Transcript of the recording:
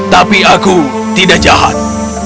tapi aku tidak jahat